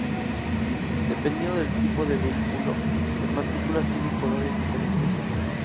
Dependiendo del tipo de vehículo, las matrículas tienen colores diferentes.